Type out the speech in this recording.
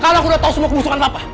kalau aku udah tau semua kebusukan papa